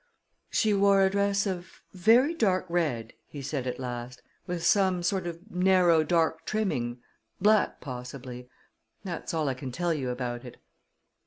"She wore a dress of very dark red," he said at last, "with some sort of narrow dark trimming black, possibly. That's all I can tell you about it."